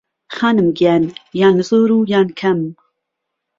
خانم گیان یان زۆر و یان کهم